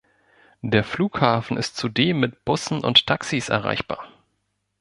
Der Flughafen ist zudem mit Bussen und Taxis erreichbar.